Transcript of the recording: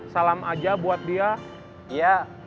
salam aja buat dia